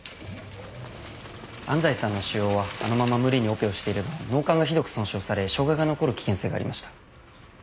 安西さんの腫瘍はあのまま無理にオペをしていれば脳幹がひどく損傷され障害が残る危険性がありました。